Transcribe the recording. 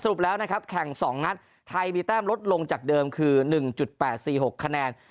รุปแล้วนะครับแข่ง๒นัดไทยมีแต้มลดลงจากเดิมคือ๑๘๔๖คะแนน